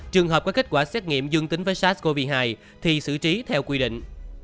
trường hợp có kết quả xét nghiệm dương tính với sars cov hai thì xử trí theo quy định